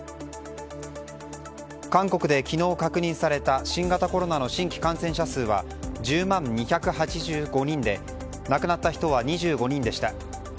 韓国で昨日確認された新型コロナの新規感染者は１０万２８５人で亡くなった人は２５人でした。